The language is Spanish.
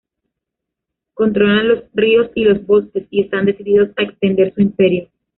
Controlan los ríos y los bosques, y están decididos a extender su imperio.